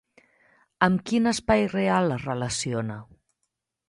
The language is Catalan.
Amb quin espai real es relaciona?